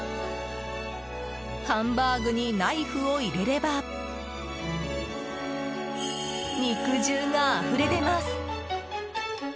ハンバーグにナイフを入れれば肉汁があふれ出ます。